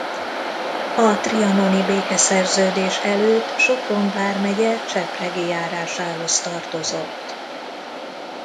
A trianoni békeszerződés előtt Sopron vármegye csepregi járásához tartozott.